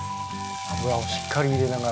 脂をしっかり入れながら。